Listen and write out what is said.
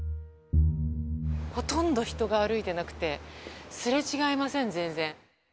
ほとんど人が歩いてなくて、すれ違いません、全然。